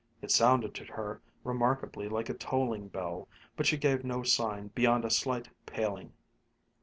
It sounded to her remarkably like a tolling bell, but she gave no sign beyond a slight paling.